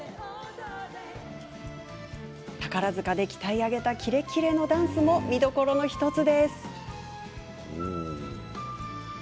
宝塚で鍛え上げたキレッキレのダンスも見どころの１つ。